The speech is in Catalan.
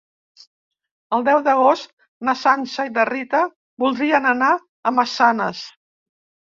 El deu d'agost na Sança i na Rita voldrien anar a Massanes.